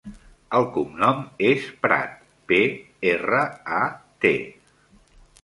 El cognom és Prat: pe, erra, a, te.